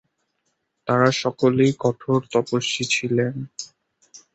তারা সকলেই কঠোর তপস্বী ছিলেন।